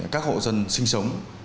các hộ dân sinh sống